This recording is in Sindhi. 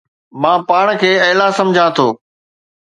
مان پاڻ کي اعليٰ سمجهان ٿو